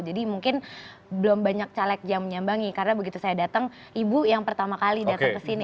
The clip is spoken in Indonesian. jadi mungkin belum banyak caleg yang menyambangi karena begitu saya datang ibu yang pertama kali datang kesini